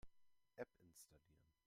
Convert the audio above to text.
App installieren.